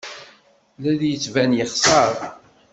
La d-yettban yexṣer.